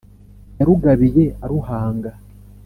yarugabiye aruhanga